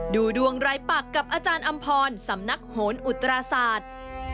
ดูดวงรายปักกับอาจารย์อำพรสำนักโหนอุตราศาสตร์